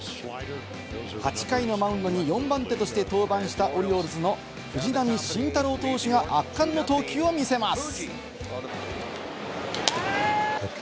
８回のマウンドに４番手として登板した、オリオールズの藤浪晋太郎投手が圧巻の投球を見せます。